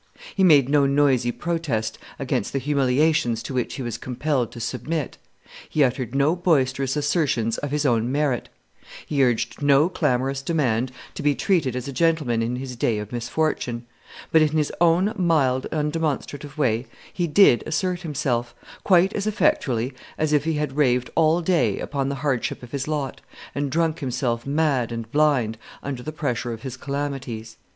He made no noisy protest against the humiliations to which he was compelled to submit; he uttered no boisterous assertions of his own merit; he urged no clamorous demand to be treated as a gentleman in his day of misfortune; but in his own mild, undemonstrative way he did assert himself, quite as effectually as if he had raved all day upon the hardship of his lot, and drunk himself mad and blind under the pressure of his calamities.